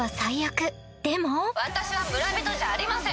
「私は村人じゃありません！」